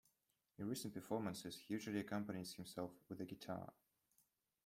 In recent performances he usually accompanies himself with a guitar.